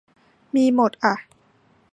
มีหมดอะ